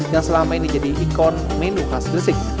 yang selama ini jadi ikon menu khas gresik